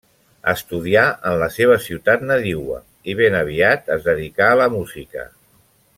Estudià en la seva ciutat nadiua i ben aviat es dedicà a la música.